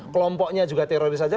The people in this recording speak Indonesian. kelompoknya juga teroris aja